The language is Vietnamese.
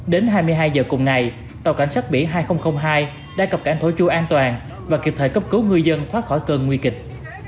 đến hai mươi hai giờ cùng ngày tàu cảnh sát biển hai nghìn hai đã cập cảng thổ chu an toàn và kịp thời cấp cứu ngư dân thoát khỏi cơn nguy kịch